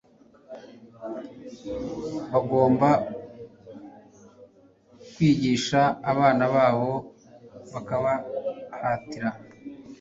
Bagomba kwigisha abana babo bakabahatira